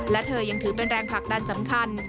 และเธอยังถือเป็นแรงผลักดันสำคัญ